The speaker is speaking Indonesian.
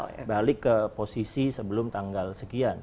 nah mungkin kita bisa lihat ekonomi kita berada pada posisi sebelum tanggal sekian